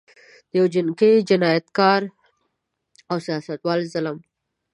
د یوه جنګي جنایتکار او سیاستوال ظلم.